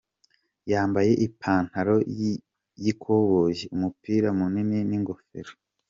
Yambaye ipantalo y’ikoboyi umupira munini n’ingofero.